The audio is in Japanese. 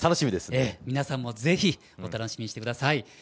皆さんも、ぜひお楽しみにしてください。